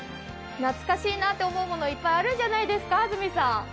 懐かしいなと思うものもいっぱいあるんじゃないですか、安住さん。